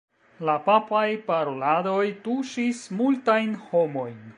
La papaj paroladoj tuŝis multajn homojn.